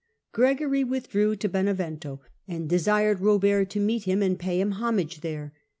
Gregory withdrew to Benevento, and desired Robert to meet him and pay him homage there.